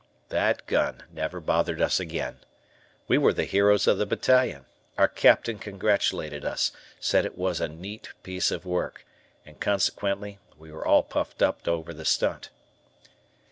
That gun never bothered us again. We were the heroes of the battalion, our Captain congratulated us, said it was a neat piece of work, and, consequently, we were all puffed up over the stunt.